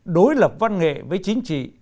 đối lập văn nghệ với chính trị